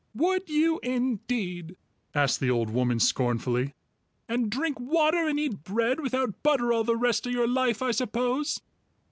"Would you, indeed?" asked the old woman scornfully, "and drink water and eat bread without butter all the rest of your life, I suppose?